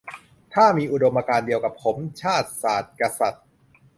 ถ้ามีอุดมการณ์เดียวกับผม ชาติ ศาสน์ กษัตริย์